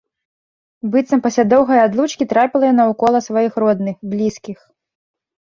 Быццам пасля доўгай адлучкі трапіла яна ў кола сваіх родных, блізкіх.